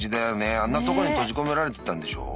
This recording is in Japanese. あんなとこに閉じ込められてたんでしょう。